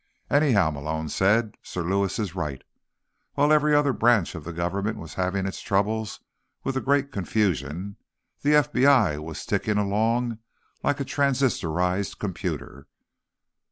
"Anyhow," Malone said, "Sir Lewis is right. While every other branch of the government was having its troubles with the Great Confusion, the FBI was ticking along like a transistorized computer."